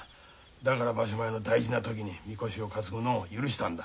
だから場所前の大事な時に神輿を担ぐのを許したんだ。